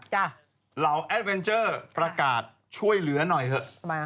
เหล่าแอดเวนเจอร์ประกาศช่วยเหลือหน่อยเถอะมา